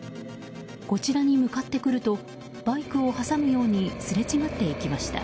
こちらに向かってくるとバイクを挟むようにすれ違っていきました。